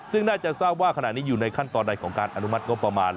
ซึ่งน่าจะทราบว่าขณะนี้อยู่ในขั้นตอนใดของการอนุมัติงบประมาณ